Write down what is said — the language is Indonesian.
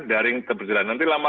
daring tetap berjalan